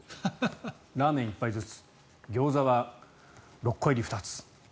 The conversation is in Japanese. ラーメン店１杯ずつギョーザは６個入り２つ。